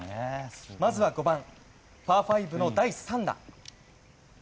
まずは５番、パー５の第３打。